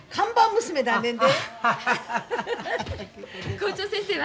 校長先生は？